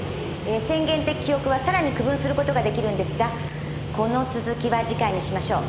「宣言的記憶はさらに区分することができるんですがこの続きは次回にしましょう。